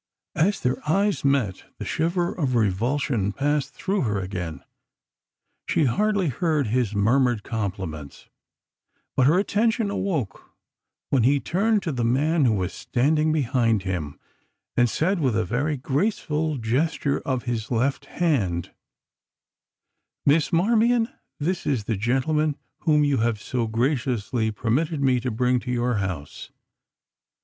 As their eyes met the shiver of revulsion passed through her again. She hardly heard his murmured compliments, but her attention awoke when he turned to the man who was standing behind him, and said with a very graceful gesture of his left hand: "Miss Marmion, this is the gentleman whom you have so graciously permitted me to bring to your house.